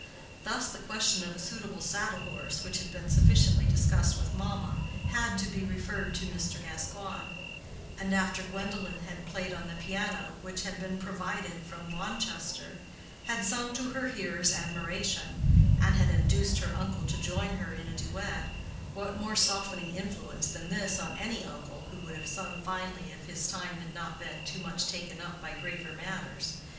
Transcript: Thus the question of a suitable saddle horse, which had been sufficiently discussed with mamma, had to be referred to Mr. Gascoigne; and after Gwendolen had played on the piano, which had been provided from Wanchester, had sung to her hearers' admiration, and had induced her uncle to join her in a duet—what more softening influence than this on any uncle who would have sung finely if his time had not been too much taken up by graver matters?